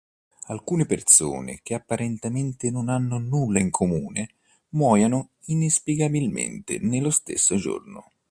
Alcune persone che apparentemente non hanno nulla in comune muoiono inspiegabilmente nello stesso giorno.